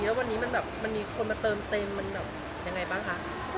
แล้ววันนี้มันแบบมันมีคนมาเติมเต็มมันแบบยังไงบ้างคะ